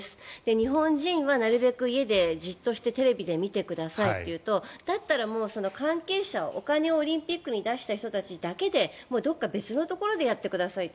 日本人はなるべく家でじっとしてテレビで見てくださいというとだったら関係者お金をオリンピックに出した人たちだけでどこか別のところでやってくださいと。